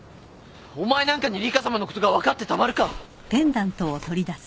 お前なんかにリカさまのことが分かってたまるか。